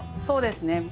そうですね。